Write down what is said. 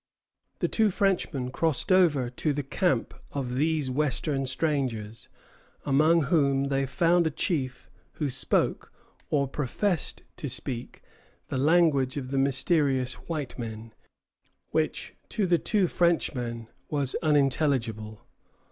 The two Frenchmen crossed over to the camp of these Western strangers, among whom they found a chief who spoke, or professed to speak, the language of the mysterious white men, which to the two Frenchmen was unintelligible.